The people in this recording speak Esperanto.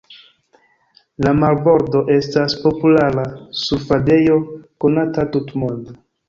La marbordo estas populara surfadejo konata tutmonde.